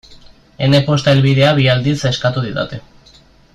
Ene posta helbidea bi aldiz eskatu didate.